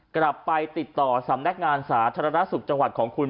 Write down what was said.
กลับไปติดต่อสำนักงานสาธารณสุขจังหวัดของคุณ